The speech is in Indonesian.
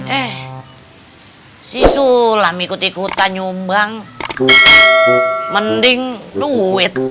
eh si sulam ikut ikutan nyumbang mending duit